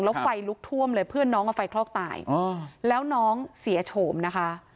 แล้วไฟลุกท่วมเลยเพื่อนน้องเอาไฟคลอกตายแล้วน้องเสียโฉมนะคะ